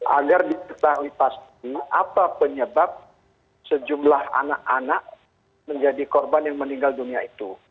agar diketahui pasti apa penyebab sejumlah anak anak menjadi korban yang meninggal dunia itu